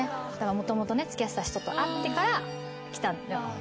もともと付き合ってた人と会ってから来た。